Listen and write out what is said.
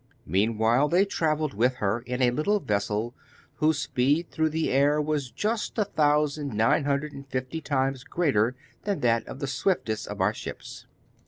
Meanwhile, they travelled with her in a little vessel, whose speed through the air was just a thousand nine hundred and fifty times greater than that of the swiftest of our ships.